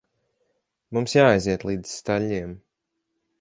Mums jāaiziet līdz staļļiem.